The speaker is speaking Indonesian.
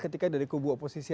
ketika dari kubu oposisi